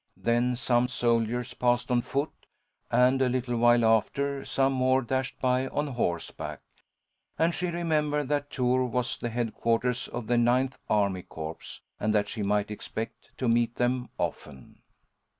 Then some soldiers passed on foot, and a little while after, some more dashed by on horseback, and she remembered that Tours was the headquarters of the Ninth Army corps, and that she might expect to meet them often.